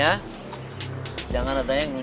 emang ada apa om